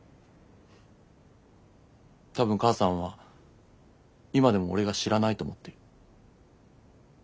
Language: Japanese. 多分母さんは今でも俺が知らないと思ってる。